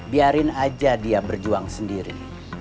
biarin aja dia berjuang sendiri